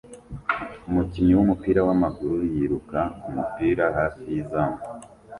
Umukinnyi wumupira wamaguru yiruka kumupira hafi yizamu